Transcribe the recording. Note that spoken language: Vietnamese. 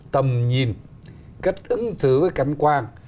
tầm nhìn cách ứng xử với cảnh quan